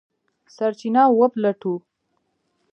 سرچینه وپلټو.